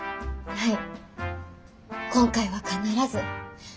はい。